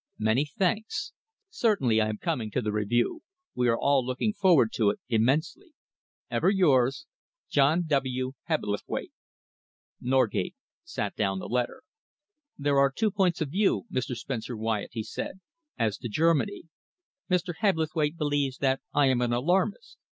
"Many thanks. Certainly I am coming to the Review. We are all looking forward to it immensely. "Ever yours, "JOHN W. HEBBLETHWAITE." Norgate set down the letter. "There are two points of view, Mr. Spencer Wyatt," he said, "as to Germany. Mr. Hebblethwaite believes that I am an alarmist.